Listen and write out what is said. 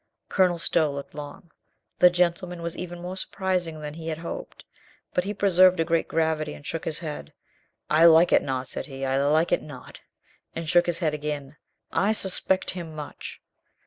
Colonel Stow looked long. The gentleman was even more surprising than he had hoped. But he preserved a great gravity and shook his head. "I like it not," said he. "I like it not," and shook his head again. "I suspect him much."